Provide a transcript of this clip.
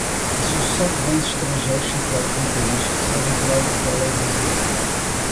a sucessão de bens de estrangeiros situados no país será regulada pela lei brasileira